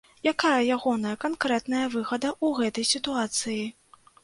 Якая ягоная канкрэтная выгада ў гэтай сітуацыі?